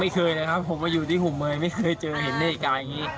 ไม่เคยเลยครับผมมาอยู่ที่หุมเมย์ไม่เคยเจอเห็นเหตุการณ์อย่างนี้